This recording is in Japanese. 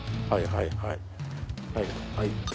はいはいはい。